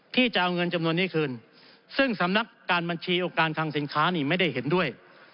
ที่จะเอาเงินจำนวนนี้คืนซึ่งสำนักการบัญชีองค์การคังสินค้านี่ไม่ได้เห็นด้วย